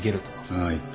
ああ言った。